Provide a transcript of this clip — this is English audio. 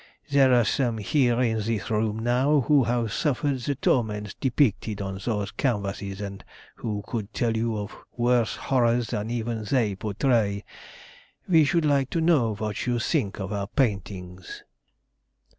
There are some here in this room now who have suffered the torments depicted on those canvases, and who could tell of worse horrors than even they portray. We should like to know what you think of our paintings?"